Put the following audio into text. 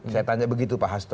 saya tanya begitu pak hasto